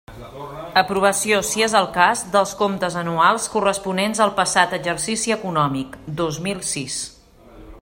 Aprovació, si és el cas, dels comptes anuals corresponents al passat exercici econòmic, dos mil sis.